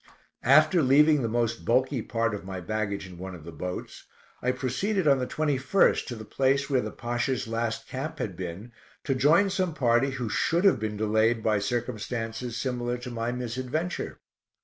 After leaving the most bulky part of my baggage in one of the boats, I proceeded on the 21st to the place where the Pasha's last camp had been, to join some party who should have been delayed by circumstances similar to my misadventure.